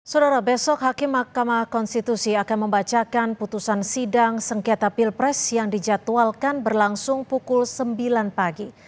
saudara besok hakim mahkamah konstitusi akan membacakan putusan sidang sengketa pilpres yang dijadwalkan berlangsung pukul sembilan pagi